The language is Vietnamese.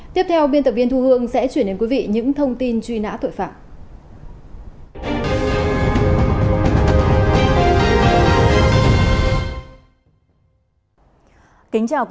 tiếp theo biên tập viên thu hương sẽ chuyển đến quý vị những thông tin truy nã tội phạm